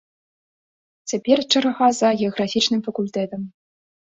Цяпер чарга за геаграфічным факультэтам.